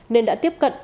nên đã tiếp cận